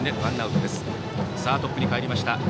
トップにかえりました。